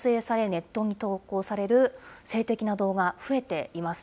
ネットに投稿される性的な動画、増えています。